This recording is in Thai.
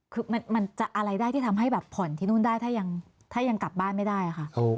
คือมันจะอะไรได้ที่ทำให้แบบผ่อนที่นู่นได้ถ้ายังกลับบ้านไม่ได้ค่ะ